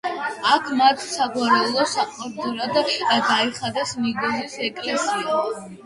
აქ მათ საგვარეულო საყდრად გაიხადეს ნიქოზის ეკლესია.